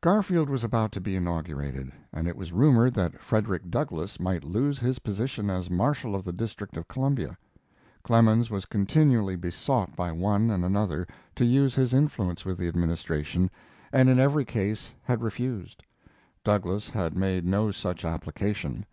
Garfield was about to be inaugurated, and it was rumored that Frederick Douglass might lose his position as Marshal of the District of Columbia. Clemens was continually besought by one and another to use his influence with the Administration, and in every case had refused. Douglass had made no such, application.